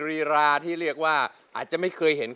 รูปสุดงามสมสังคมเครื่องใครแต่หน้าเสียดายใจทดสกัน